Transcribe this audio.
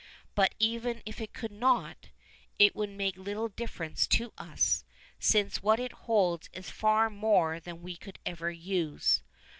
But even if it could not, it would make little difference to us, since what it holds is far more than we could ever use.